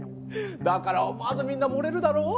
だから思わずみんな漏れるだろう？